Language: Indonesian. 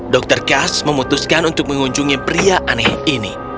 dokter kas memutuskan untuk mengunjungi pria aneh ini